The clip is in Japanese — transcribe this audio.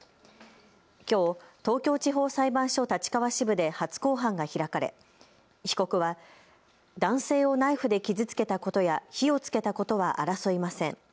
きょう東京地方裁判所立川支部で初公判が開かれ被告は男性をナイフで傷つけたことや火をつけたことは争いません。